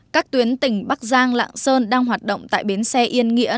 các tuyến tỉnh bắc giang lạng sơn đang hoạt động tại bến xe yên nghĩa